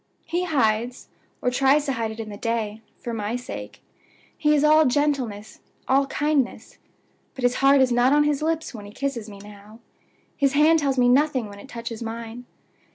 He hides, or tries to hide, it in the day, for my sake. He is all gentleness, all kindness; but his heart is not on his lips when he kisses me now; his hand tells me nothing when it touches mine.